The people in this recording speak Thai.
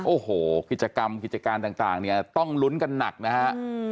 โอ้โหกิจกรรมกิจการต่างเนี่ยต้องลุ้นกันหนักนะฮะ